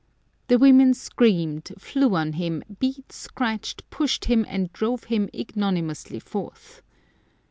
The women screamed, flew on him, beat, scratched, pushed him, and drove him ignominiously forth.